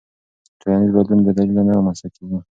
ټولنیز بدلون بې دلیله نه رامنځته کېږي.